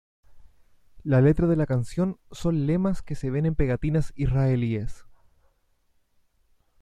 La letra de la canción son lemas que se ven en pegatinas israelíes.